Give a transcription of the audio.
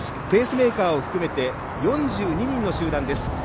ペースメーカーを含めて４２人の集団です。